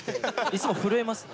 いつも震えますね。